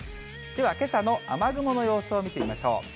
では、けさの雨雲の様子を見てみましょう。